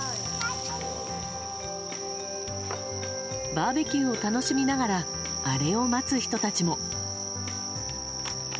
バーベキューを楽しみながらあれを待つ人たちも。